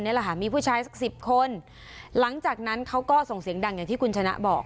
แหละค่ะมีผู้ชายสักสิบคนหลังจากนั้นเขาก็ส่งเสียงดังอย่างที่คุณชนะบอก